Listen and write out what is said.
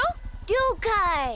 りょうかい。